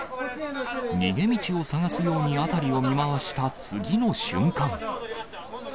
逃げ道を探すように辺りを見回した次の瞬間。